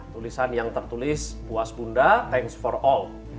tulisan yang tertulis puas bunda thanks for all